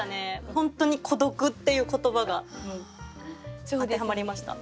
本当に「孤独」っていう言葉が当てはまりました。